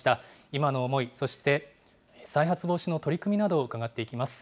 今の思い、そして再発防止の取り組みなどを伺っていきます。